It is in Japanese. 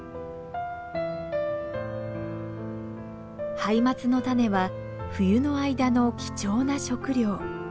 ハイマツの種は冬の間の貴重な食料。